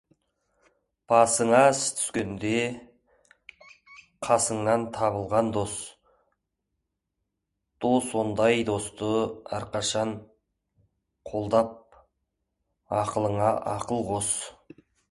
Басыңа іс түскенде қасыңнан табылған дос — дос ондай досты әрқашан қолдап, ақылыңа ақыл қос.